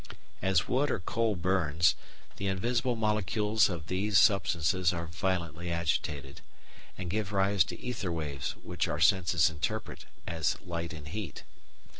As wood or coal burns, the invisible molecules of these substances are violently agitated, and give rise to ether waves which our senses interpret as light and heat.